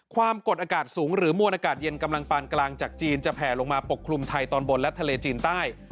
ความกดอากาศสูงหรือมวลอากาศเย็นกำลังปานกลางจากจีนจะแผลลงมาปกคลุมไทยตอนบนและทะเลจีนใต้